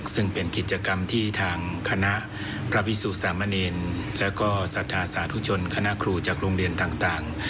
ซึ่งเป็นกิจกรรมที่ทางคณะพระพิสุสามเณรและก็ศรัทธาสาธุชนคณะครูจากโรงเรียนต่าง